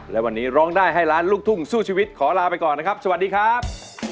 และวันนี้ร้องได้ให้ล้านลูกทุ่งสู้ชีวิตขอลาไปก่อนนะครับสวัสดีครับ